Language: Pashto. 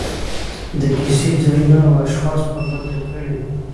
د کیسې ځایونه او اشخاص په ګوته کړي.